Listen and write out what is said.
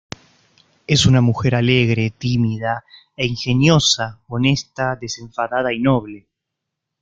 Es una mujer alegre, tímida e ingeniosa, honesta, desenfadada y noble.